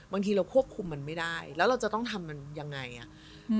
บางทีเราควบคุมมันไม่ได้แล้วเราจะต้องทำมันยังไงอ่ะอืม